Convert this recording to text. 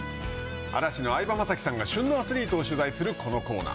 嵐の相葉雅紀さんが旬のアスリートを取材するこのコーナー。